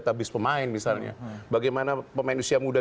teman teman yang aspirasinya sudah